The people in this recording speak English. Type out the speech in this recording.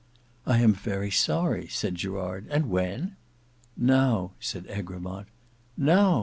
"I am very sorry," said Gerard; "and when?" "Now," said Egremont. "Now!"